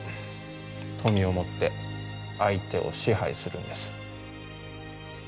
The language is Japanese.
富をもって相手を支配するんです。